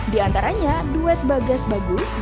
di antaranya timnasional u enam belas indonesia